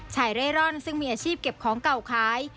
เร่ร่อนซึ่งมีอาชีพเก็บของเก่าขาย